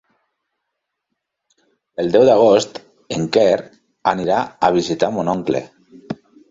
El deu d'agost en Quer anirà a visitar mon oncle.